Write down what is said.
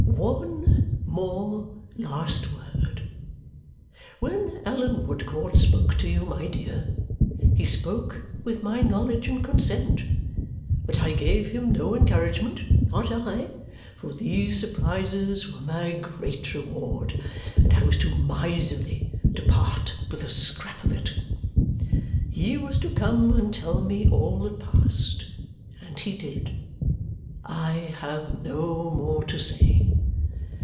"One more last word. When Allan Woodcourt spoke to you, my dear, he spoke with my knowledge and consent but I gave him no encouragement, not I, for these surprises were my great reward, and I was too miserly to part with a scrap of it. He was to come and tell me all that passed, and he did. I have no more to say.